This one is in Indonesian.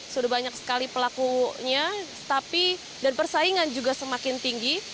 sudah banyak sekali pelakunya dan persaingan juga semakin tinggi